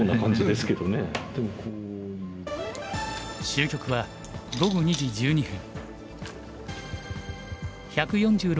終局は午後２時１２分。